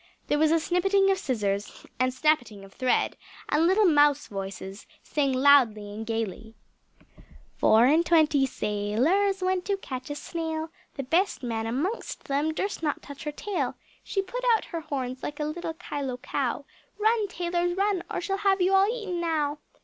There was a snippeting of scissors, and snappeting of thread; and little mouse voices sang loudly and gaily "Four and twenty tailors Went to catch a snail, The best man amongst them Durst not touch her tail, She put out her horns Like a little kyloe cow, Run, tailors, run! or she'll have you all e'en now!"